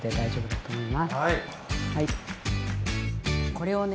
これをね